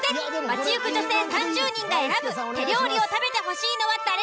街行く女性３０人が選ぶ手料理を食べて欲しいのは誰？